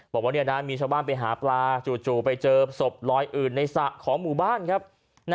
บอกว่ามีชาวบ้านไปหาปลาจู่ไปเจอศพลอยอื่นในสระของหมู่บ้านครับ